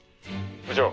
「部長」